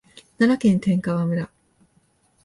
奈良県天川村